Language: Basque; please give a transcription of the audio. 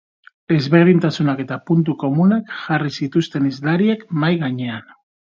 Ezberdintasunak eta puntu komunak jarri zituzten hizlariek mahai gainean.